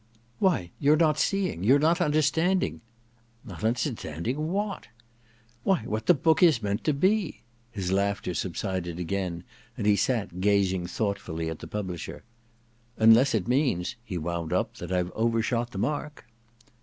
*Why, your not seeing — your not under standing Not understanding what ?'* Why, what the book is meant to be/ His laughter subsided again and he sat gazing thoughtfully at the publisher. * Unless it means,* he wound up, *that IVe overshot the mark.'